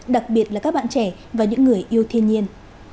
đặc biệt là các bạn trẻ và những người yêu thiên nhiên